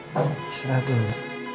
kamu istirahat dulu ya